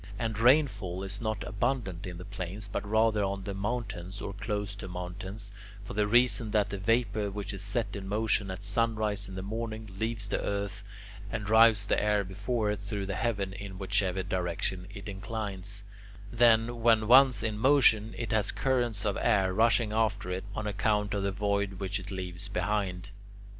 And rainfall is not abundant in the plains, but rather on the mountains or close to mountains, for the reason that the vapour which is set in motion at sunrise in the morning, leaves the earth, and drives the air before it through the heaven in whatever direction it inclines; then, when once in motion, it has currents of air rushing after it, on account of the void which it leaves behind.